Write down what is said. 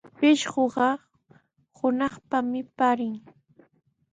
Pishquqa hunaqpami paarin.